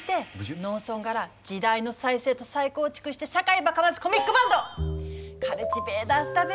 農村がら時代の再生と再構築して社会ばかますコミックバンドカルチベーターズだべ。